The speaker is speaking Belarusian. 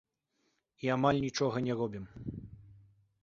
І амаль нічога не робім.